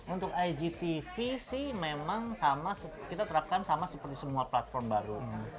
untuk igtv sih memang sama kita terapkan sama seperti semua platform baru